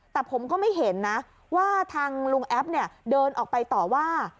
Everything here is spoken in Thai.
แต่ผมก็ไม่เห็นนะว่าทางลุงแอปเนี่ยเดินออกไปต่อว่า